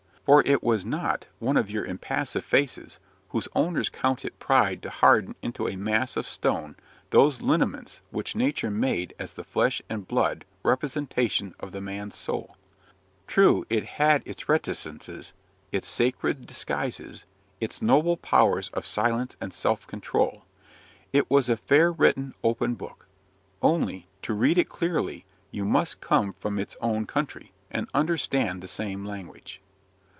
For it was not one of your impassive faces, whose owners count it pride to harden into a mass of stone those lineaments which nature made as the flesh and blood representation of the man's soul. True, it had its reticences, its sacred disguises, its noble powers of silence and self control. It was a fair written, open book; only, to read it clearly, you must come from its own country, and understand the same language.